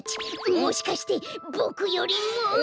もしかしてボクよりも？